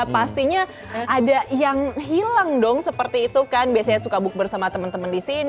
pastinya ada yang hilang dong seperti itu kan biasanya sukabuk bersama teman teman di sini